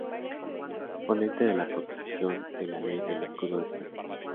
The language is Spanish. Ponente de la Proposición de Ley del Escudo de España.